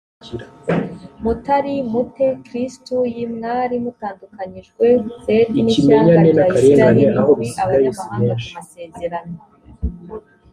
mutari mu te kristo y mwari mutandukanyijwe z n ishyanga rya isirayeli muri abanyamahanga ku masezerano